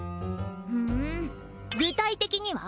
ふん具体的には？